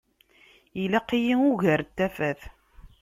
Ilaq-iyi ugar n tafat.